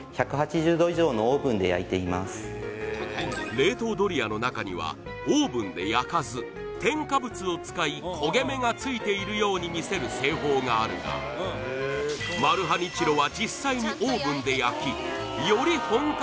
冷凍ドリアの中にはオーブンで焼かず添加物を使い焦げ目がついているように見せる製法があるがマルハニチロは・